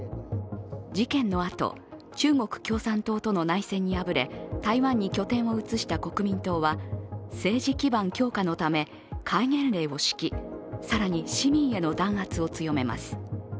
事件のあと、中国共産党との内戦に敗れ台湾に拠点を移した国民党は政治基盤強化のため戒厳令を敷き、更に市民への弾圧を強めます。